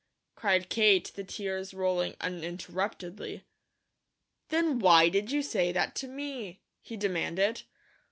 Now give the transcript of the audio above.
cried Kate, the tears rolling uninterruptedly. "Then WHY did you say that to me?" he demanded.